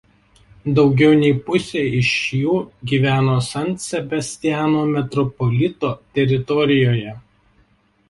Daugiau nei pusė iš jų gyveno San Sebastiano metropolito teritorijoje.